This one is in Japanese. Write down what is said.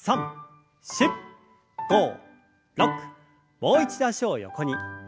もう一度脚を横に。